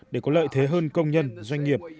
để có lợi thế hơn công nhân doanh nghiệp